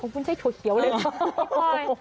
คุณใช่ถั่วเขียวเลย